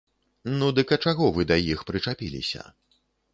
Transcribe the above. Ну, дык а чаго вы да іх прычапіліся?